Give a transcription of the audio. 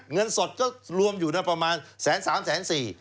เงินสดก็รวมอยู่นะประมาณ๑๓แสนสี่